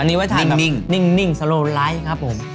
อันนี้ไว้ถ่ายนิ่งสโรลไลท์นะครับผม